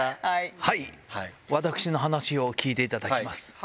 私の話を聞いていただきます。